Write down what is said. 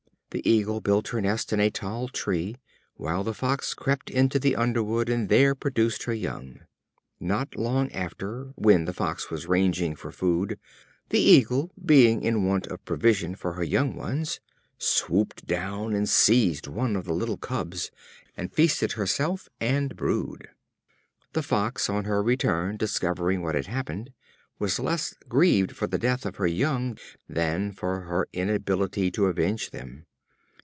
The Eagle built her nest in a tall tree, while the Fox crept into the underwood and there produced her young. Not long after, when the Fox was ranging for food, the Eagle, being in want of provision for her young ones, swooped down and seized upon one of the little cubs, and feasted herself and brood. The Fox on her return, discovering what had happened, was less grieved for the death of her young than for her inability to avenge them.